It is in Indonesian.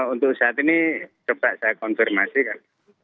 untuk saat ini coba saya konfirmasikan